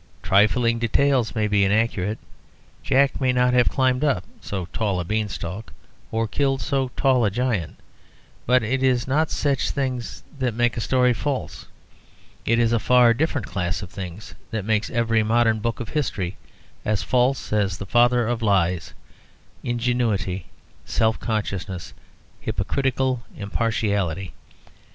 Trifling details may be inaccurate, Jack may not have climbed up so tall a beanstalk, or killed so tall a giant; but it is not such things that make a story false; it is a far different class of things that makes every modern book of history as false as the father of lies; ingenuity, self consciousness, hypocritical impartiality.